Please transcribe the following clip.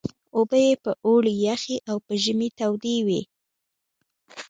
اوبه یې په اوړي یخې او په ژمي تودې وې.